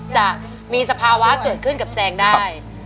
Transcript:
จะมีสภาวะเกิดขึ้นกับแจงได้